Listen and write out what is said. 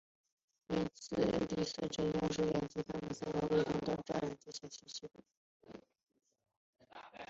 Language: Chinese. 因此第四真祖是连其他三位真祖都认同的最强吸血鬼。